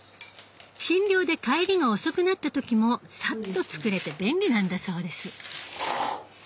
診療で帰りが遅くなった時もさっと作れて便利なんだそうです。